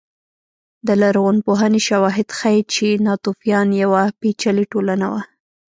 د لرغونپوهنې شواهد ښيي چې ناتوفیان یوه پېچلې ټولنه وه